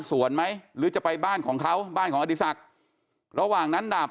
ไหมหรือจะไปบ้านของเขาบ้านของอดีศักดิ์ระหว่างนั้นดาบ